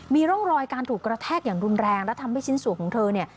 มีร่องรอยการถูกกระแทกอย่างรุนแรงและทำให้ชิ้นส่วนของเธอเนี่ย